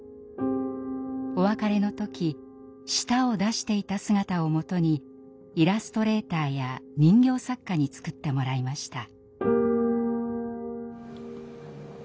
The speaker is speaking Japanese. お別れの時舌を出していた姿をもとにイラストレーターや人形作家に作ってもらいました。